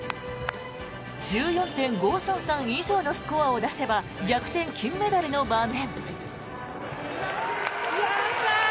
１４．５３３以上のスコアを出せば逆転金メダルの場面。